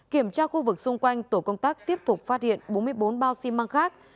kiểm tra khu vực xung quanh tổ công tác tiếp tục phát hiện bốn mươi bốn bao xi măng khác